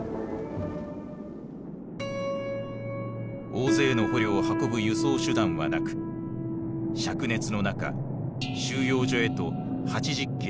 大勢の捕虜を運ぶ輸送手段はなくしゃく熱の中収容所へと８０キロ歩かせた。